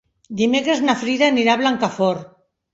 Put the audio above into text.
Dimecres na Frida anirà a Blancafort.